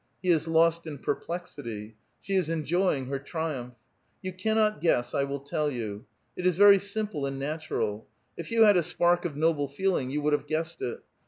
He is lost in perplexity ; she is en joying her triumph. ^' You cannot guess ; I will tell you. It is very simple and natural ; if you had a spark of noble feeling, you would have guessed it.